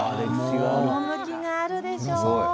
趣があるでしょう？